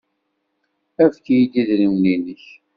Efk-iyi-d idrimen-nnek.